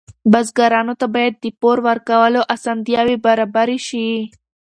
بزګرانو ته باید د پور ورکولو اسانتیاوې برابرې شي.